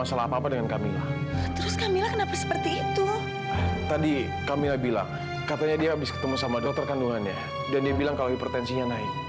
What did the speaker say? sampai jumpa di video selanjutnya